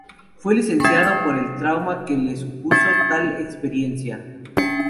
Fue licenciado por el trauma que le supuso tal experiencia.